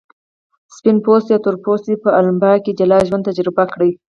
سپین پوستو او تور پوستو په الاباما کې جلا ژوند تجربه کړ.